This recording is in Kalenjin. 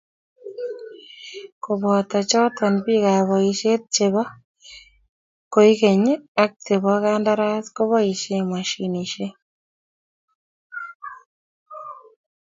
Koboto choto biikab boisie che be koikenye ak che bo kandaras koboisie moshinishe.